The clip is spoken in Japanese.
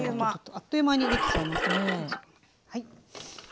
あっという間にできちゃいます。